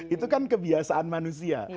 itu kan kebiasaan manusia